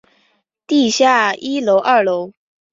地下一楼二楼